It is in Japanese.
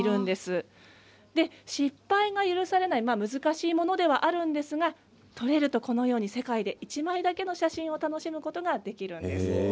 失敗が許されない難しいものではあるんですけれど撮れると世界で１枚だけの写真を楽しむことができるんです。